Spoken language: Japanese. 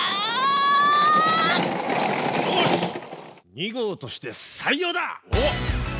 ２号として採用だ！